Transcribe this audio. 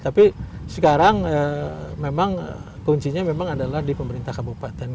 tapi sekarang memang kuncinya memang adalah di pemerintah kabupaten